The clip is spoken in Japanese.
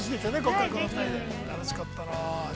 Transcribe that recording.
◆楽しかったな。